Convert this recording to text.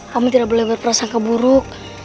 kamu tidak boleh berperasaan keburuk